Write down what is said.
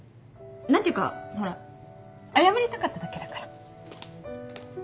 何ていうかほら謝りたかっただけだから。